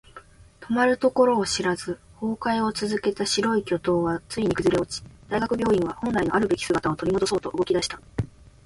止まるところを知らず崩壊を続けた白い巨塔はついに崩れ落ち、大学病院は本来のあるべき姿を取り戻そうと動き出した。